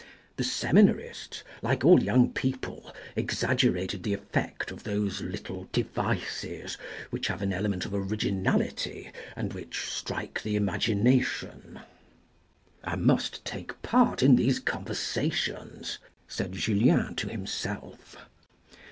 The seminarists, like all young people, exag gerated the effect of those little devices, which have an element of originality, and which strike the imagination. " I must take part in these conversations," said Julien to himself.